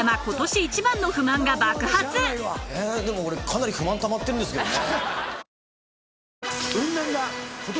えでも俺かなり不満たまってるんですけどね。